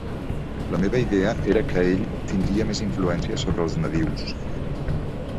La meva idea era que ell tindria més influència sobre els nadius.